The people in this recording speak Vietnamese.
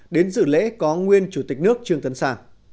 đến dự lễ có nguyên chủ tịch nước trương tấn sản